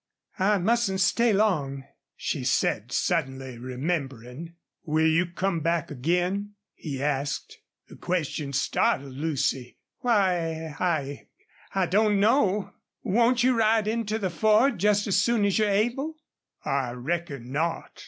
"I mustn't stay long," she said, suddenly remembering. "Will you come back again?" he asked. The question startled Lucy. "Why I I don't know.... Won't you ride in to the Ford just as soon as you're able?" "I reckon not."